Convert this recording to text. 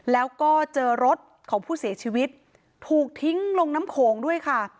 แล้วก็เจอรถของผู้เสียชีวิตถูกทิ้งลงน้ำโขงด้วยค่ะ